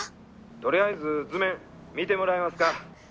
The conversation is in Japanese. ☎とりあえず図面見てもらえますか？